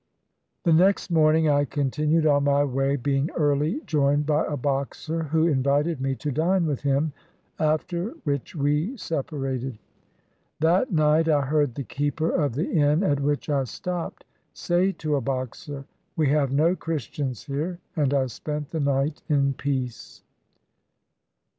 The next morning I continued on my way, being early joined by a Boxer who invited me to dine with him, after which we separated. That night I heard the keeper of the inn at which I stopped say to a Boxer, "We have no Christians here," and I spent the night in peace.